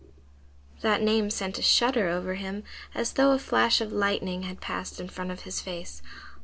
That name sent a shudder over him, as though a flash of lightning had passed in front of his face.